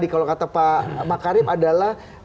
kalau kata pak makarim adalah